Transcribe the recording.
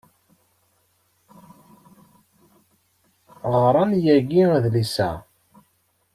Ɣran yagi adlis-a.